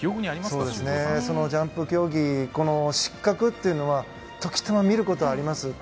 ジャンプ競技失格というのは時たま見ることがあります。